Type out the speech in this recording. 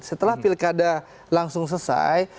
setelah pilkada langsung selesai